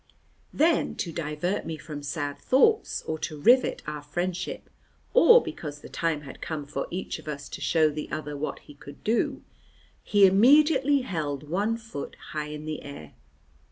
Then, to divert me from sad thoughts, or to rivet our friendship, or because the time had come for each of us to show the other what he could do, he immediately held one foot high in the air.